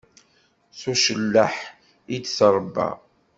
S ucelleḥ i d-terba.